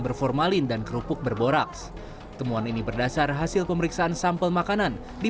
berformalin dan kerupuk berboraks temuan ini berdasar hasil pemeriksaan sampel makanan di